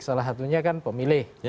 salah satunya kan pemilih